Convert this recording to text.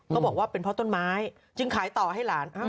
เขาบอกว่าเป็นเพราะต้นไม้จึงขายต่อให้หลาน